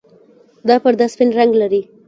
دا پرده سپین رنګ لري.